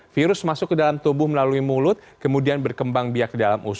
virus masuk ke dalam tubuh melalui mulut kemudian berkembang biak di dalam usia